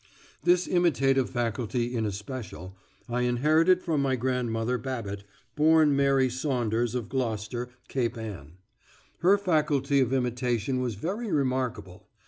This imitative faculty in especial I inherited from my grandmother Babbit, born Mary Saunders, of Gloucester, Cape Ann. Her faculty of imitation was very remarkable.